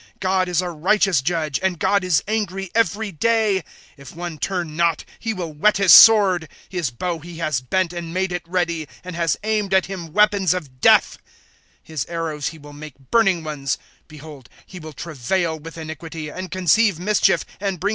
^' God is a righteous judge ; And God is angry every day, ^* If one turn not, he will whet his sword ; His bow he has bent, and made it ready, ^' And has aimed at him weapons of death ; His arrows he will make burning ones, " Behold, he will travail with iniquity, And conceive mischief, and bring forth falsehood.